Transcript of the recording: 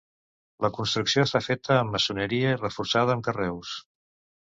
La construcció està feta amb maçoneria i reforçada amb carreus.